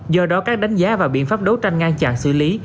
do đó các đánh giá và biện pháp đấu tranh ngăn chặn xử lý